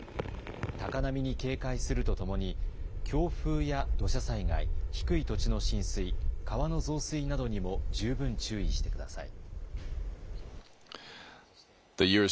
高波に警戒するとともに、強風や土砂災害、低い土地の浸水、川の増水などにも十分注意してください。